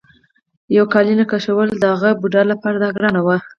یوه قالینه کشوله د هغه بوډا لپاره دا ګرانه وه.